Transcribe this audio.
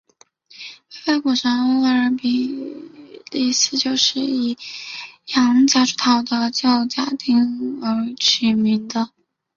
北非古城沃吕比利斯就是以洋夹竹桃的旧拉丁文名而取名的。